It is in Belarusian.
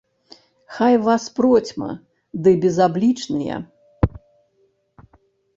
Хай вас процьма, ды безаблічныя.